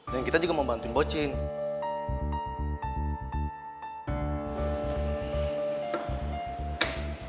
dan kita juga mau bantuin mbok jin